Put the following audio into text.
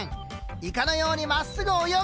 イカのようにまっすぐ泳ぐ。